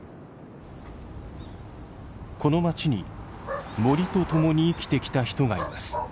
この町に森と共に生きてきた人がいます。